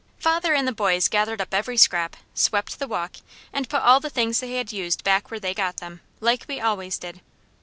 Father and the boys gathered up every scrap, swept the walk, and put all the things they had used back where they got them, like we always did.